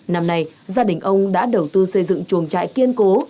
năm nay gia đình ông đã đầu tư xây dựng chuồng trại kiên cố